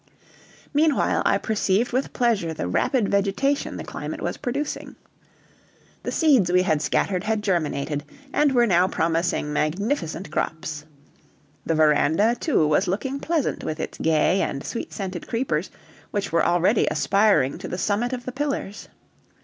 Meanwhile I perceived with pleasure the rapid vegetation the climate was producing. The seeds we had scattered had germinated, and were now promising magnificent crops. The veranda, too, was looking pleasant with its gay and sweet scented creepers, which were already aspiring to the summit of the pillars.